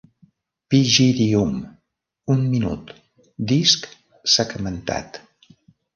Pygidium: un minut, disc segmentat.